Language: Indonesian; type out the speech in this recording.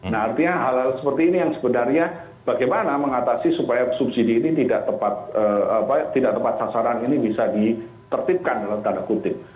nah artinya hal hal seperti ini yang sebenarnya bagaimana mengatasi supaya subsidi ini tidak tepat sasaran ini bisa ditertipkan dalam tanda kutip